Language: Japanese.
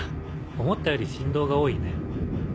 思ったより振動が多いね。